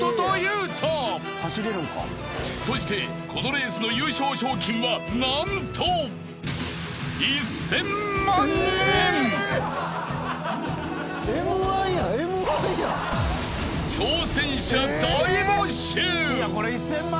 ［そしてこのレースの優勝賞金は何と］１，０００万